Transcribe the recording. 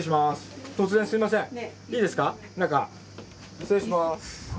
失礼します。